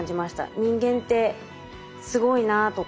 人間ってすごいなあとか。